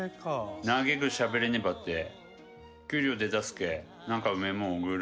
長くしゃべれねばって給料出たすけ何かうめえもん送る。